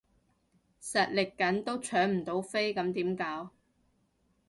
實力緊都搶唔到飛咁點搞？